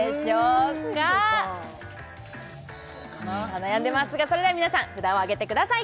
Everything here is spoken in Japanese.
悩んでますがそれでは皆さん札を上げてください